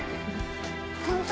本当